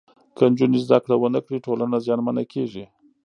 که نجونې زدهکړه ونکړي، ټولنه زیانمنه کېږي.